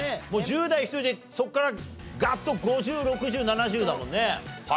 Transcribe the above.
もう１０代１人でそこからガッと５０６０７０だもんね。